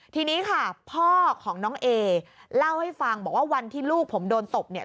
ทีนี้ค่ะพ่อของน้องเอเล่าให้ฟังบอกว่าวันที่ลูกผมโดนตบเนี่ย